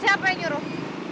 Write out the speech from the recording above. siapa yang nyuruh